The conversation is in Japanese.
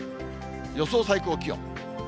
予想最高気温。